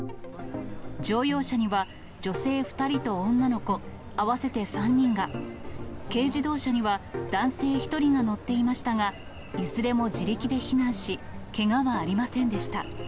乗用車には女性２人と女の子、合わせて３人が、軽自動車には男性１人が乗っていましたが、いずれも自力で避難し、けがはありませんでした。